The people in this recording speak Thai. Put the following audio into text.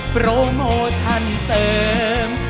โปรโมชั่นเสริม